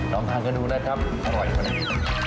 ซ้ำทางก็ดูนะครับอร่อยปะเนี่ย